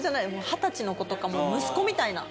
二十歳の子とかもう息子みたいな。